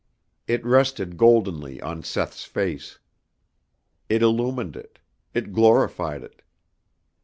It rested goldenly on Seth's face. It illumined it. It glorified it.